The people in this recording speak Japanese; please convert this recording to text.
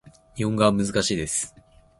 日本語は難しいです